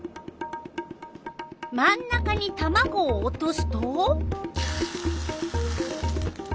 真ん中にたまごを落とすと？